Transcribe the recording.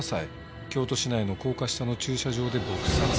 京都市内の高架下の駐車場で撲殺された。